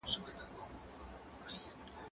زه اوس سبزیحات جمع کوم!؟